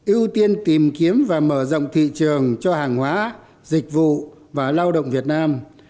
ưu tiên tìm kiếm và mở rộng thị trường cho hàng hóa dịch vụ và lao động việt nam